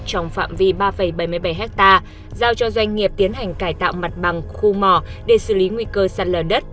trong phạm vi ba bảy mươi bảy ha giao cho doanh nghiệp tiến hành cải tạo mặt bằng khu mò để xử lý nguy cơ sạt lở đất